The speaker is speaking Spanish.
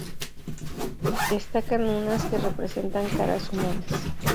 Destacan unas que representan caras humanas.